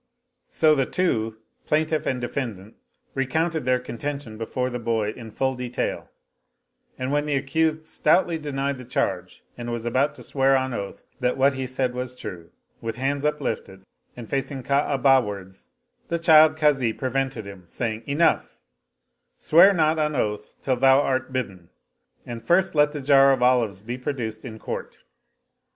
So the two, plaintiff and defend ant, recounted their contention before the boy in full detail ; and when the accused stoutly denied the charge and was about to swear on oath that what he said was true, with hands uplifted and facing Ka'abah wards, the child Kazi prevented him, saying, " Enough I swear not on oath till thou art bidden ; and first let the jar of olives be produced in court."